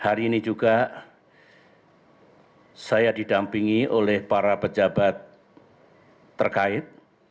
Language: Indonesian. hari ini juga saya didampingi oleh para pejabat terkait